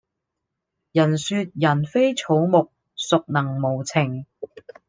人說人非草木，孰能無情